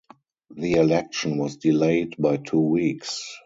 The election was delayed by two weeks.